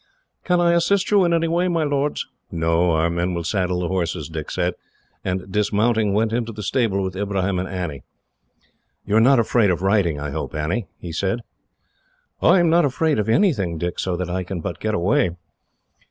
"Can I assist you in any way, my lords?" "No, our men will saddle the horses," Dick said, and, dismounting, went into the stable with Ibrahim and Annie. "You are not afraid of riding, I hope, Annie?" he said. "I am not afraid of anything, Dick, so that I can but get away."